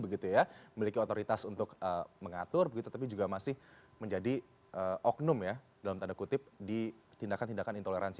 memiliki otoritas untuk mengatur tapi juga masih menjadi oknum dalam tanda kutip di tindakan tindakan intoleransi